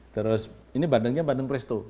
terus ini bandengnya bandeng presto